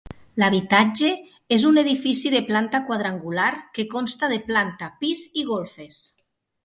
L'habitatge és un edifici de planta quadrangular que consta de planta, pis i golfes.